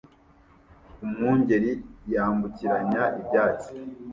Umwungeri yambukiranya ibyatsi